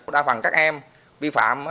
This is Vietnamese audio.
đa phần các em vi phạm